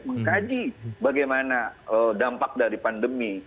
mengkaji bagaimana dampak dari pandemi